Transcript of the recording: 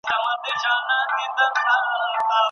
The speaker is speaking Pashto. ځمکه به تل د ژوند ملاتړ کړی وي.